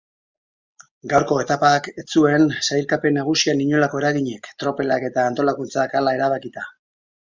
Gaurko etapak ez zuen sailkapen nagusian inolako eraginik tropelak eta antolakuntzak hala erabakita.